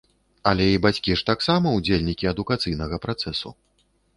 Але і бацькі ж таксама ўдзельнікі адукацыйнага працэсу.